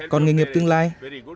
còn nghề nghiệp tương lai